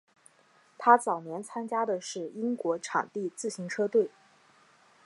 他早年参加的是英国场地自行车队。